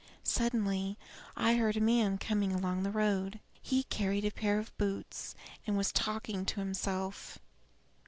Suddenly I heard a man coming along the road. He carried a pair of boots, and was talking to himself.